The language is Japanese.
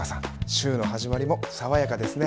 週の始まりも爽やかですね。